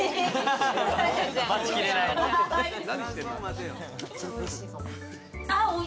待ちきれない。